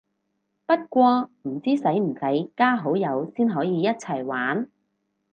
不過唔知使唔使加好友先可以一齊玩